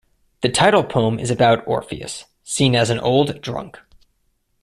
The title-poem is about Orpheus, seen as an old drunk.